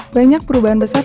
banyak perubahan besar